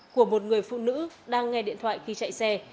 của một người phụ nữ đang nghe điện thoại khi chạy xe